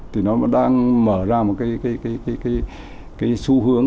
thì nó đang mở ra một cái xu hướng